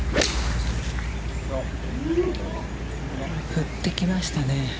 振ってきましたね。